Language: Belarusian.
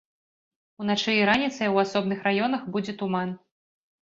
Уначы і раніцай у асобных раёнах будзе туман.